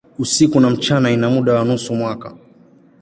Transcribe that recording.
Usiku na mchana ina muda wa nusu mwaka.